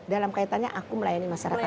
dalam kaitannya aku melayani masyarakat